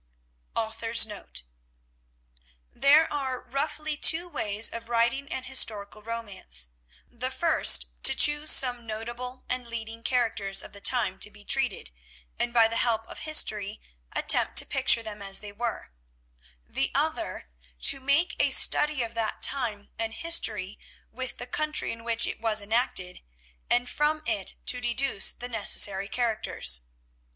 _ AUTHOR'S NOTE There are, roughly, two ways of writing an historical romance—the first to choose some notable and leading characters of the time to be treated, and by the help of history attempt to picture them as they were; the other, to make a study of that time and history with the country in which it was enacted, and from it to deduce the necessary characters.